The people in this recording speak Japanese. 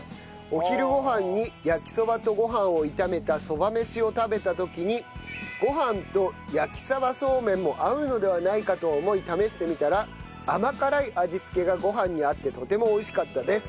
お昼ご飯に焼きそばとご飯を炒めたそば飯を食べた時にご飯と焼鯖そうめんも合うのではないか？と思い試してみたら甘辛い味付けがご飯に合ってとても美味しかったです。